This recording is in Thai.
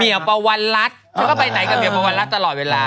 เหมียวปะวันรัฐเธอก็ไปไหนกับเหมียวปะวันรัฐตลอดเวลา